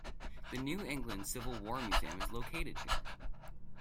The New England Civil War Museum is located here.